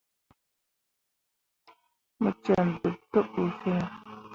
Mo cen ɗeɓ te bu fine ?